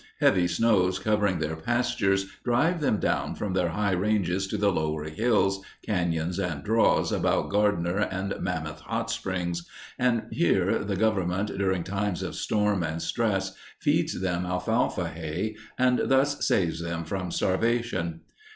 Heavy snows covering their pastures drive them down from their high ranges to the lower hills, cañons, and draws about Gardiner and Mammoth Hot Springs, and here the Government, during times of storm and stress, feeds them alfalfa hay and thus saves them from starvation.